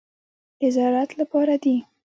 د ضرورت لپاره دي.